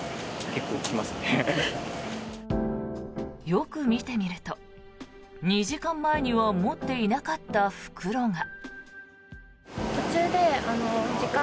よく見てみると、２時間前には持っていなかった袋が。